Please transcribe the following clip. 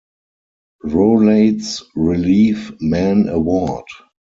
Rolaids Relief Man Award.